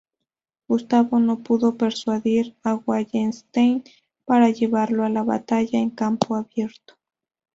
Gustavo no pudo persuadir a Wallenstein para llevarlo a la batalla en campo abierto.